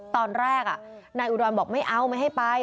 ตอนแรกนายอุดรบอกไม่เอาไม่ให้ไป